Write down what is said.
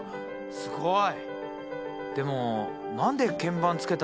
すごい。